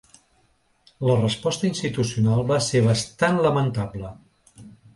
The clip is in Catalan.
La resposta institucional va ser bastant lamentable.